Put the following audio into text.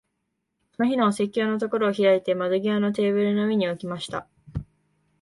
その日のお説教のところを開いて、窓際のテーブルの上に置きました。